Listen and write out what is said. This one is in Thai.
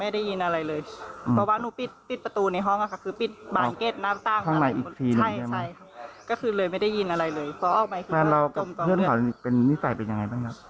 ได้ยินเสี่ยงร้องไหมครับ